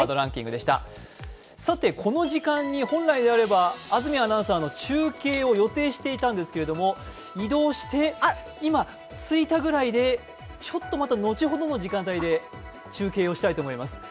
この時間に本来であれば安住アナウンサーの中継を予定していたんですけれども、移動して、今、着いたくらいでまた後ほどの時間帯で中継をしたいと思います。